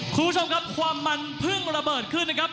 คุณผู้ชมครับความมันเพิ่งระเบิดขึ้นนะครับ